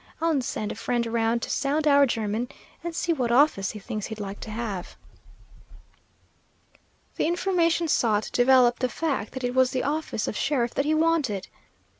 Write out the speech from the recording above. "I'll send a friend around to sound our German, and see what office he thinks he'd like to have." The information sought developed the fact that it was the office of sheriff that he wanted.